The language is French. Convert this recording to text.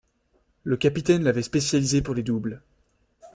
Le capitaine l'avait spécialisé pour les doubles.